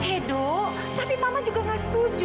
edo tapi mama juga gak setuju